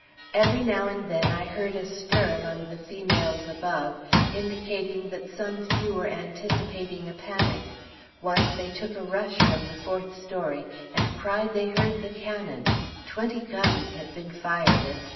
Every now and then I heard a stir among the females above, indicating that some few were anticipating a panic. Once they took a rush from the fourth story, and cried they heard the cannon; twenty guns had been fired, etc.